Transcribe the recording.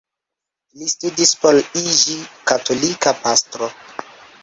Li studis por iĝi katolika pastro.